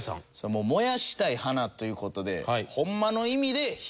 もう燃やしたい花という事でホンマの意味で火花。